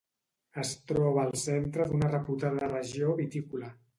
Es troba al centre d'una reputada regió vitícola.